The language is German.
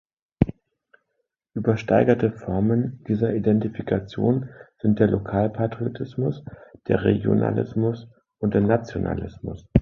Übersteigerte Formen dieser Identifikation sind der Lokalpatriotismus, der Regionalismus und der Nationalismus.